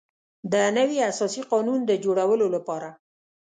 د نوي اساسي قانون د جوړولو لپاره.